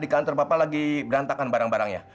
di kantor bapak lagi berantakan barang barangnya